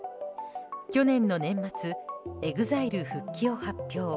去年の年末ＥＸＩＬＥ復帰を発表。